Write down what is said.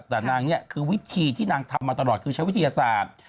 แต่นางเนี่ยคือวิธีที่นางทำมาตลอดคือใช้วิทยาศาสตร์